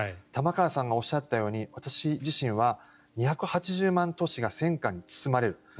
玉川さんがおっしゃったように私自身は２８０万都市が戦火に包まれる。